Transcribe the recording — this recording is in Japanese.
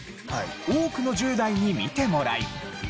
多くの１０代に見てもらい。